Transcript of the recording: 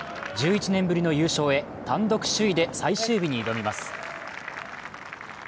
１１年ぶりの優勝へ、単独首位で最終日に挑みます。